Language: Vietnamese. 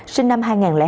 sinh năm hai nghìn hai